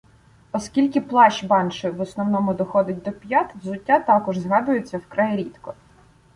Оскільки плащ банши в основному доходить до п'ят, взуття також згадується вкрай рідко.